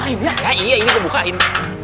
ini kita bukain